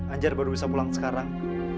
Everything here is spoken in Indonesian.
anjar baru bisa pulang sekarang